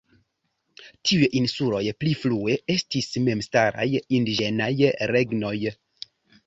Tiuj insuloj pli frue estis memstaraj indiĝenaj regnoj.